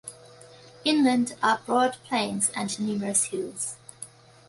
Inland are broad plains and numerous hills.